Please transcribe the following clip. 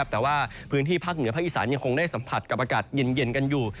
แต่ว่าพื้นที่ภาคเหนือภาคอีสานยังคงได้สัมผัสกับอากาศเย็นกันอยู่